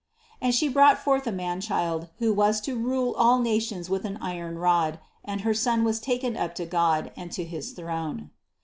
5. And she brought forth a man child, who was to rule all nations with an iron rod; and her son was taken up to God, and to his throne.